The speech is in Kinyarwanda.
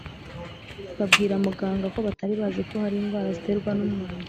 babwira muganga ko batari bazi ko hari indwara ziterwa n’umwanda